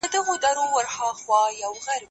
کېدای سي انځورونه خراب وي